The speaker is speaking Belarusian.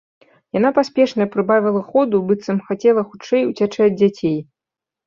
Яна паспешна прыбавіла ходу, быццам хацела хутчэй уцячы ад дзяцей.